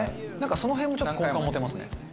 その辺もちょっと好感持てますね。